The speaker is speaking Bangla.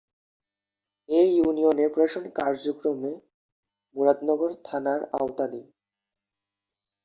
এ ইউনিয়নের প্রশাসনিক কার্যক্রম মুরাদনগর থানার আওতাধীন।